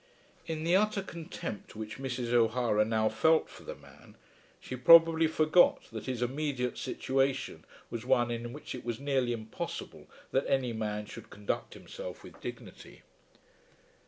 In the utter contempt which Mrs. O'Hara now felt for the man she probably forgot that his immediate situation was one in which it was nearly impossible that any man should conduct himself with dignity.